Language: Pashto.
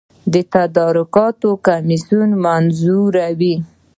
د تدارکاتو کمیسیون منظوروي